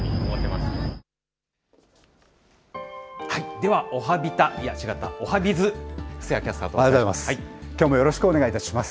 ではおはビタ、いや違った、おはＢｉｚ、布施谷キャスターとお伝えします。